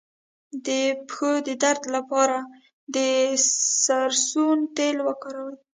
د پښو د درد لپاره د سرسونو تېل وکاروئ